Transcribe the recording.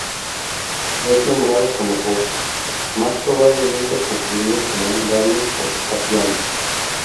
Es nombrado como o, más probablemente, confundido con un Vario por Apiano.